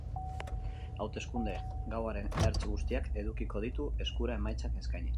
Hauteskunde gauaren ertz guztiak edukiko ditu eskura emaitzak eskainiz.